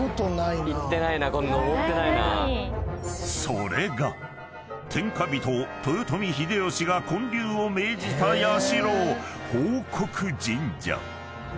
［それが天下人豊臣秀吉が建立を命じた社］